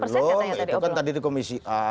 belum itu kan tadi di komisi a